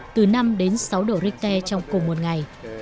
từ năm đến sáu độ richter trong cùng một ngày